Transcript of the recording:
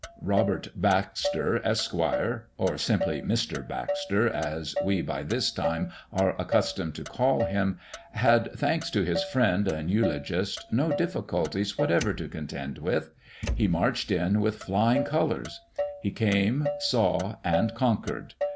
Robert Baxter, Esq., or, simply Mr. Baxter, as we by this time are accustomed to call him, had, thanks to his friend and eulogist, no difficulties whatever to contend with. He marched in with flying colours. He came, saw, and conquered.